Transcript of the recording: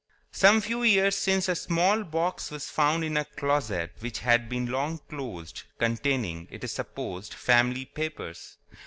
Some few years since a small box was found in a closet which had been long closed, containing, it is supposed, family papers.